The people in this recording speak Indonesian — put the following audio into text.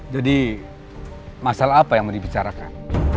masalah apa yang mau dibicarakan